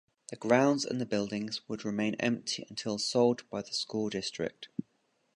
The grounds and the buildings would remain empty until sold by the school district.